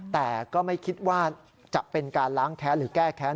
แต่ก็ไม่คิดว่าจะเป็นการล้างแค้นหรือแก้แค้น